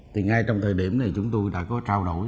thì ngay trong thời điểm này chúng tôi đã có trao đổi